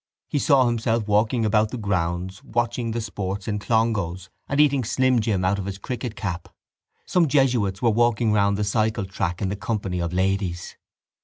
He saw himself walking about the grounds watching the sports in Clongowes and eating slim jim out of his cricketcap. Some jesuits were walking round the cycle track in the company of ladies.